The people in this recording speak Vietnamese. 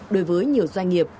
đối với nhiều doanh nghiệp